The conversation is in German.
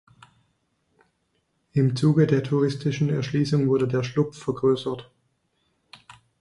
Im Zuge der touristischen Erschließung wurde der Schlupf vergrößert.